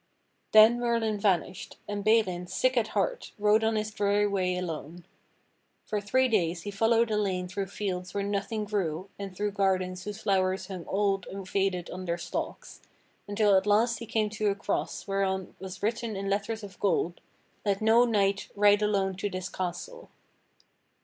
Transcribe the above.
Then Merlin vanished, and Balin, sick at heart, rode on his dreary way alone. For three days he followed a lane through fields where nothing grew and through gardens whose flowers hung old and faded on their stalks, until at last he came to a cross whereon was written in letters of gold, "Let no knight ride alone to this castle."